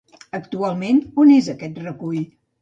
Actualment, on és aquest recull?